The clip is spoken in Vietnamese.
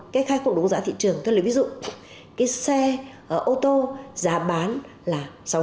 cây khai không đúng giá thị trường thưa lời ví dụ cái xe ô tô giá bán là sáu trăm linh